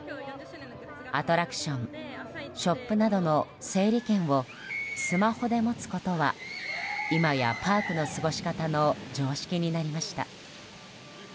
アトラクション、ショップなどの整理券をスマホで持つことは今や、パークの過ごし方の常識になりました。